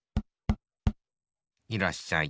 いらっしゃい。